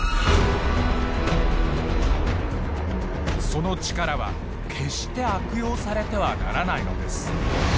その力は決して悪用されてはならないのです。